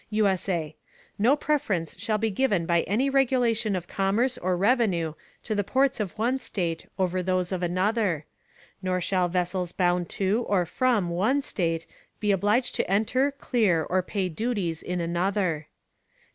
[USA] No Preference shall be given by any Regulation of Commerce or Revenue to the Ports of one State over those of another: nor shall Vessels bound to, or from, one State, be obliged to enter, clear, or pay Duties in another.